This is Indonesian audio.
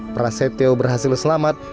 prasetyo berhasil selamat